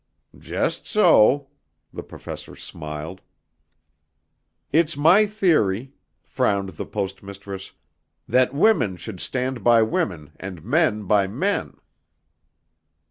"Just so," the Professor smiled. "It's my theory," frowned the Post Mistress, "that women should stand by women and men by men...."